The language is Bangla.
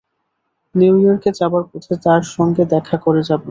নিউ ইয়র্ক যাবার পথে তার সঙ্গে দেখা করে যাব।